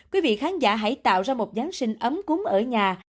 quý vị khán giả hãy tạo ra một giáng sinh ấm cúng ở nhà